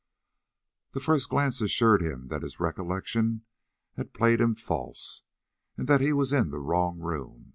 The first glance assured him that his recollection had played him false, and that he was in the wrong room.